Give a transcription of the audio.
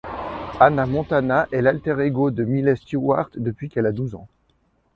Hannah Montana est l'alter ego de Miley Stewart depuis qu'elle a douze ans.